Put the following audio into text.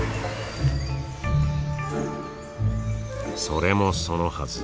それもそのはず。